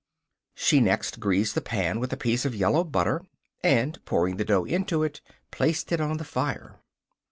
She next greased the pan with a piece of yellow butter, and, pouring the dough into it, placed it on the fire.